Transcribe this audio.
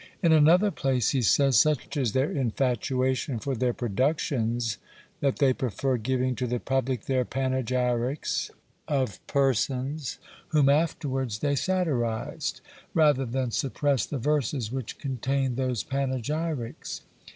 In another place he says, such is their infatuation for their productions, that they prefer giving to the public their panegyrics of persons whom afterwards they satirized, rather than suppress the verses which contain those panegyrics.